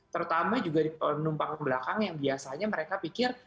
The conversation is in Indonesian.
terutama juga di penumpang belakang yang biasanya mereka pikir